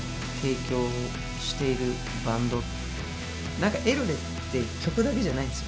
なんかエルレって曲だけじゃないんですよ